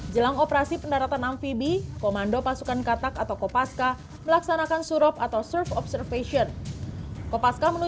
jelang operasi perang tersebut berlalu dengan perang tersebut